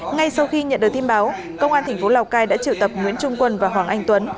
ngay sau khi nhận được tin báo công an thành phố lào cai đã triệu tập nguyễn trung quân và hoàng anh tuấn